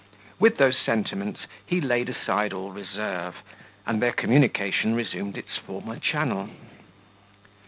With those sentiments, he laid aside all reserve, and their communication resumed its former channel.